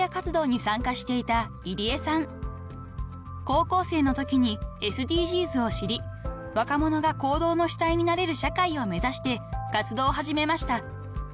［高校生の時にＳＤＧｓを知り若者が行動の主体になれる社会を目指して活動を始めました］